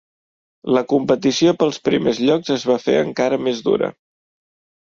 La competició pels primers llocs es va fer encara més dura.